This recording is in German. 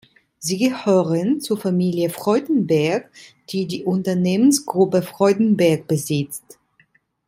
Sie gehören zur Familie Freudenberg, die die Unternehmensgruppe Freudenberg besitzt.